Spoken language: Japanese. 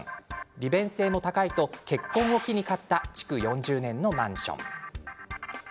利便性も高いと結婚を機に買った築４０年のマンション。